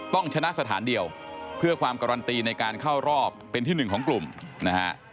ต้องชนะสถานเดียวเพื่อความการันตีในการเข้ารอบเป็นที่หนึ่งของกลุ่มนะฮะ